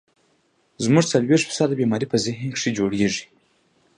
زمونږ څلوېښت فيصده بيمارۍ پۀ ذهن کښې جوړيږي